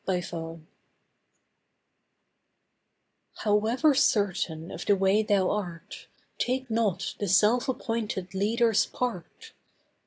'THE WAY' However certain of the way thou art, Take not the self appointed leader's part.